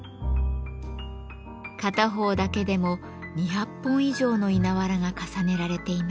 片方だけでも２００本以上の稲わらが重ねられています。